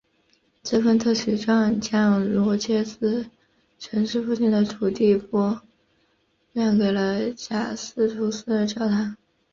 这份特许状将罗切斯特市附近的土地拨让给了贾斯图斯的教堂。